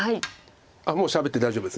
あっもうしゃべって大丈夫ですね？